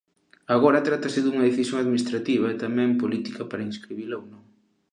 Agora trátase dunha decisión administrativa e tamén política para inscribila ou non.